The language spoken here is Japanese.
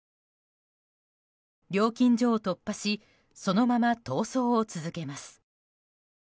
料金所を突破しそのまま逃走を続けます。